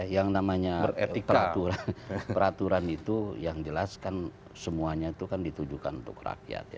yang namanya peraturan itu yang jelas kan semuanya itu kan ditujukan untuk rakyat